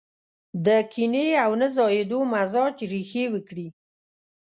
د کينې او نه ځايېدو مزاج ريښې وکړي.